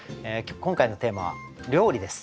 今回のテーマは「料理」です。